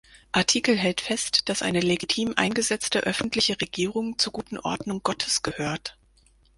Artikel hält fest, dass eine legitim eingesetzte öffentliche Regierung zur guten Ordnung Gottes gehört.